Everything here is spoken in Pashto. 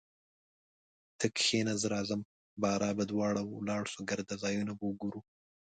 ته کښینه زه راځم باره به دواړه ولاړسو ګرده ځایونه به وګورو